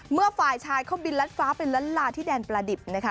เมื่อฝ่ายชายเข้าบินลัดฟ้าเป็นลัดลาที่แดนปลาดิบนะคะ